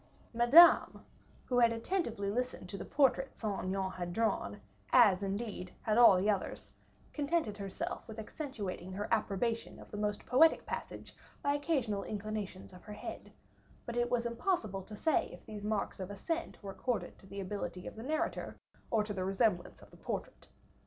Madame, who had attentively listened to the portrait Saint Aignan had drawn, as, indeed, had all the others, contented herself with accentuating her approbation of the most poetic passage by occasional inclinations of her head; but it was impossible to say if these marks of assent were accorded to the ability of the narrator of the resemblance of the portrait.